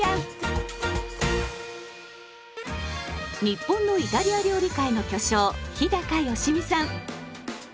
日本のイタリア料理界の巨匠日良実さん。